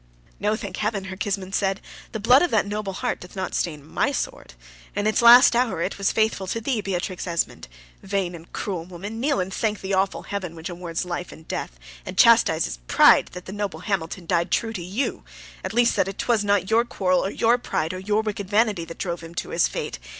"No; thank heaven!" her kinsman said. "The blood of that noble heart doth not stain my sword! In its last hour it was faithful to thee, Beatrix Esmond. Vain and cruel woman! kneel and thank the awful heaven which awards life and death, and chastises pride, that the noble Hamilton died true to you; at least that 'twas not your quarrel, or your pride, or your wicked vanity, that drove him to his fate.